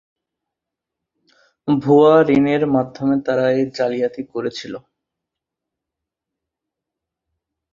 ভুয়া ঋণের মাধ্যমে তারা এই জালিয়াতি করেছিল।